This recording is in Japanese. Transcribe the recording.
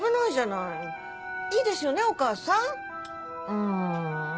うん。